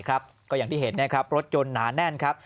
ก็อย่างที่เห็นนะครับรถยนต์หนาแน่นครับ